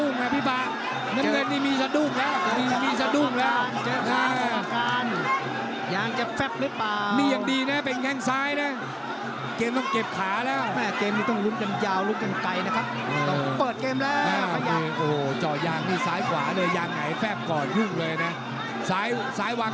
ความสนุกมวยทีวีตัวนี้เกิดกันแข่งขันเป็นเพื่อนนะครับ